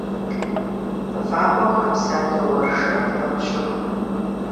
Вагъуэхэм садоуэршэр нэху щыху.